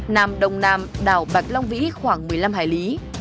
nằm đồng nam đảo bạch long vĩ khoảng một mươi năm hải lý